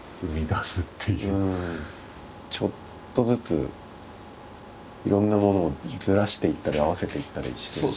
ちょっとずついろんなものをずらしていったり合わせていったりしてるんですね。